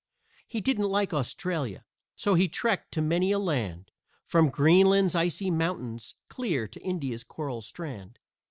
He didn't like Australia, so he trekked to many a land, From Greenland's icy mountains clear to India's coral strand.